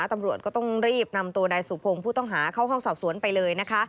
ตำรวจก็ต้องรีบนำตัวนายสุพงศ์ผู้ต้องหาเข้าห้องสอบสวนไปเลยนะคะ